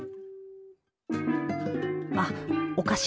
あっお菓子。